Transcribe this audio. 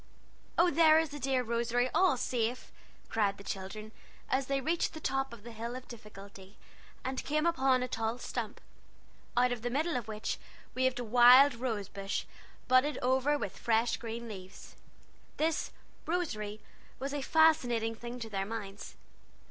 "Oh, there is the dear Rosary, all safe!" cried the children, as they reached the top of the Hill of Difficulty, and came upon a tall stump, out of the middle of which waved a wild rose bush, budded over with fresh green eaves. This "Rosary" was a fascinating thing to their minds.